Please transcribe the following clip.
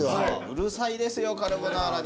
うるさいですよカルボナーラに。